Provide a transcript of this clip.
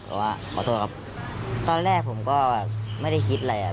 บอกว่าขอโทษครับตอนแรกผมก็ไม่ได้คิดอะไรอ่ะ